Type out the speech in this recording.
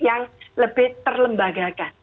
yang lebih terlembagakan